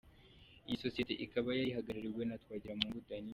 Iyi sosiyete ikaba yari ihagarariwe na Twagiramungu Danny.